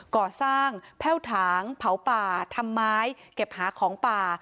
ก่อสร้างแพ่วถางเผาป่าทำไม้เก็บหาของป่า